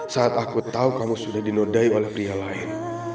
saat aku tahu kamu sudah dinodai oleh pria lain